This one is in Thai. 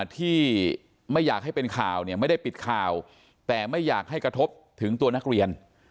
ที่ไม่อยากให้เป็นข่าวเนี่ยไม่ได้ปิดข่าวแต่ไม่อยากให้กระทบถึงตัวนักเรียน